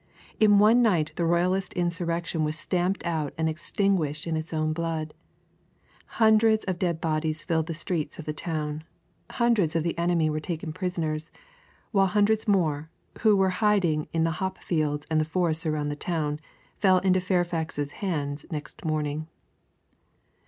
In one night the Royalist insurrection was stamped out and extinguished in its own blood. Hundreds of dead bodies filled the streets of the town, hundreds of the enemy were taken prisoners, while hundreds more, who were hiding in the hop fields and forests around the town, fell into Fairfax's hands next morning.